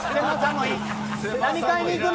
何買いに行くの？